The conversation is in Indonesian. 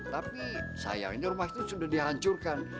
tapi sayangnya rumah itu sudah dihancurkan